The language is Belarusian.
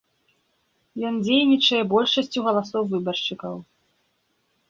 Ён дзейнічае большасцю галасоў выбаршчыкаў.